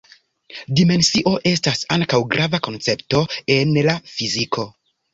Dimensio estas ankaŭ grava koncepto en la fiziko.